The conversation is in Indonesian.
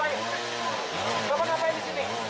tidak pakai masker di sini